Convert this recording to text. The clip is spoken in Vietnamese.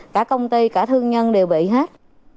cả công ty cả thương nhân đều bị hết